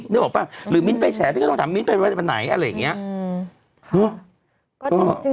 นึกออกป่ะหรือเมฆไปแสนพี่ก็ต้องถามเมฆไปไหน